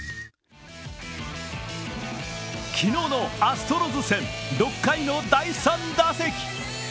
昨日のアストロズ戦、６回の第３打席。